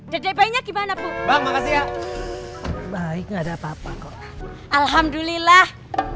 dede banyak gimana bu makasih ya baik nggak ada apa apa alhamdulillah